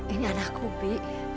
ini anakku bi